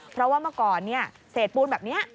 เพราะว่าเมื่อก่อนเศษปูนแบบนี้